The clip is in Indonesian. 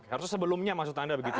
harusnya sebelumnya maksud anda begitu ya